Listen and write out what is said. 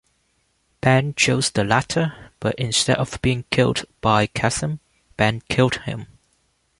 Bane chose the latter, but instead of being killed by Kas'im, Bane killed him.